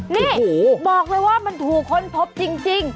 นี่บอกเลยว่ามันถูกค้นพบจริง